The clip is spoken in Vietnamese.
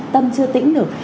tâm chưa tĩnh được